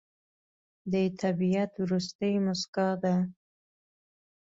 د طبیعت وروستی موسکا ده